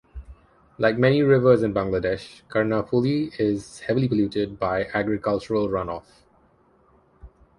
Like many rivers in Bangladesh, Karnaphuli is heavily polluted by agricultural runoff.